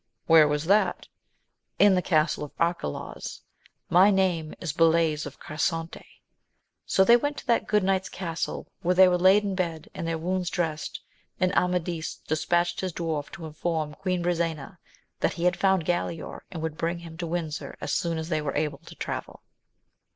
— ^Where was that l r In the castle of Arcalaus : my name is Balays of Car sante. So they went to that good knight's castle, where they were laid in bed, and their wounds dressed ; and Amadis dispatched his dwarf to inform Queen Brisena that he had found Galaor, and would bring him to Windsor as soon as they were able to travel.